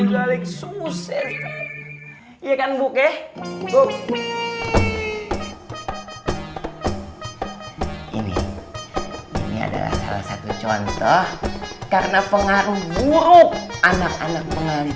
jalik suset iya kan bukeh ini ini adalah salah satu contoh karena pengaruh buruk anak anak pengalih